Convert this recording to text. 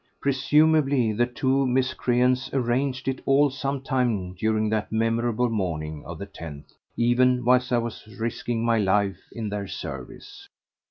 Presumably the two miscreants arranged it all some time during that memorable morning of the tenth even whilst I was risking my life in their service.